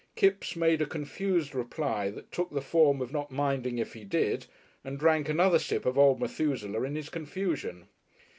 Kipps made a confused reply that took the form of not minding if he did, and drank another sip of old Methusaleh in his confusion.